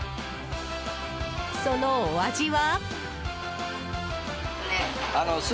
そのお味は。